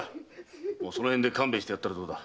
もうそのへんで勘弁してやったらどうだ？